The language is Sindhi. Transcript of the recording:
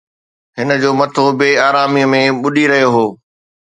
هن جو مٿو بي آراميءَ ۾ ٻڏي رهيو هو